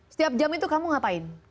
setiap jam itu kamu ngapain